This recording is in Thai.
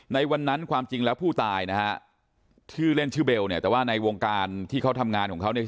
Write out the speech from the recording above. ในวันนั้นความจริงแล้วผู้ตายนะฮะชื่อเล่นชื่อเบลเนี่ยแต่ว่าในวงการที่เขาทำงานของเขาเนี่ย